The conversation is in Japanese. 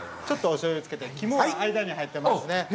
ちょっとお醤油をつけて肝が間に入ってますね。